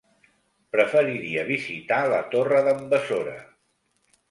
Preferiria visitar la Torre d'en Besora.